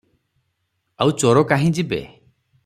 ଆଉ ଚୋର କାହିଁ ଯିବେ?